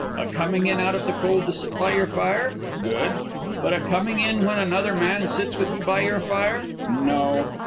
A coming in out of the cold to sit by your fire? Good. But a coming in when another man sits with you by your fire? No.